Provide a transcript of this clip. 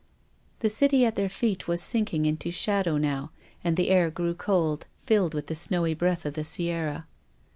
The City at their feet was sinking into shadow now, and the air grew cold, filled with the snowy breath of the Sierra.